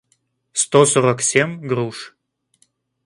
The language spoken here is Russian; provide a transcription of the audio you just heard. сто сорок семь груш